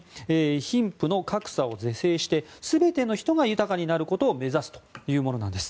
貧富の格差を是正して全ての人が豊かになることを目指すというものなんです。